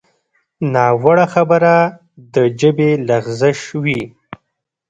ناوړه خبره د ژبې لغزش وي